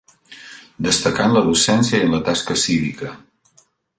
Destacà en la docència i en la tasca cívica.